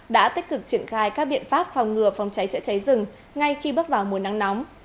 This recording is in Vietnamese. đã tích cực triển khai các biện pháp phòng ngừa phòng cháy chữa cháy rừng ngay khi bước vào mùa nắng nóng